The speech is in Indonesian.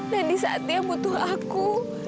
dan disaat dia butuh aku